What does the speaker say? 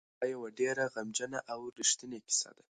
دا یوه ډېره غمجنه او رښتونې کیسه ده.